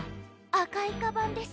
あかいカバンです。